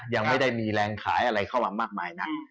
ยังไม่ได้มีแรงขายอะไรเข้ามามากมายนัก